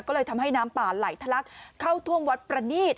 ก็เลยทำให้น้ำป่าไหลทะลักเข้าท่วมวัดประนีต